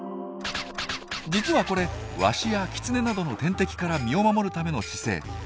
実はこれワシやキツネなどの天敵から身を守るための姿勢。